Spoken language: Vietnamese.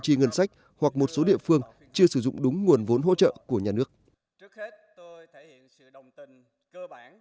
chi ngân sách hoặc một số địa phương chưa sử dụng đúng nguồn vốn hỗ trợ của nhà nước